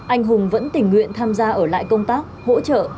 anh hùng vẫn tình nguyện tham gia ở lại công tác hỗ trợ